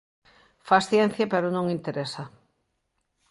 Fas ciencia pero non interesa.